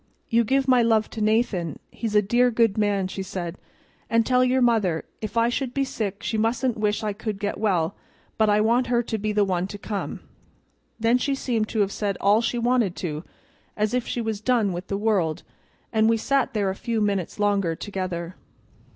'You give my love to Nathan, he's a dear good man,' she said; 'an' tell your mother, if I should be sick she mustn't wish I could get well, but I want her to be the one to come.' Then she seemed to have said all she wanted to, as if she was done with the world, and we sat there a few minutes longer together.